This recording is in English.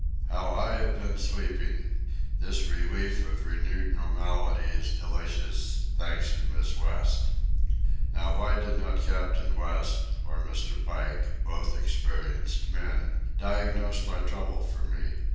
How I have been sleeping! This relief of renewed normality is delicious—thanks to Miss West. Now why did not Captain West, or Mr. Pike, both experienced men, diagnose my trouble for me?